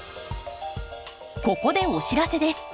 ここでお知らせです。